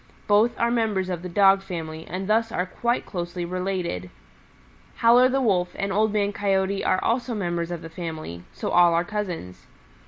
Both are members of the Dog family and thus are quite closely related. Howler the Wolf and Old Man Coyote are also members of the family, so all are cousins.